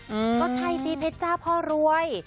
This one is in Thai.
เพราะไทยปีเพชรจ้าพ่อรวย